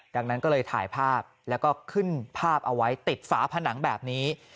ดังนั้นก็เลยถ่ายภาพแล้วก็ขึ้นภาพเอาไว้ติดฝาผนังแบบนี้